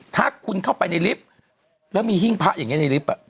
ถ้าคุณเข้าไปในลิฟต์แล้วมีหิ้งพระอย่างนี้ในลิฟต์